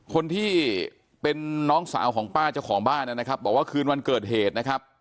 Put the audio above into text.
คนที่เป็นน้องสาวของป้าเจ้าของบ้านนะครับบอกว่าคืนวันเกิดเหตุนะครับ